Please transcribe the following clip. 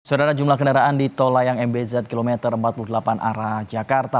saudara jumlah kendaraan di tol layang mbz kilometer empat puluh delapan arah jakarta